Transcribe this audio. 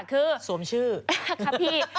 คือสวมชื่อค่ะพี่